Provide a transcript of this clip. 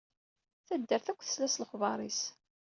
Taddart akk tesla s lexbar-is.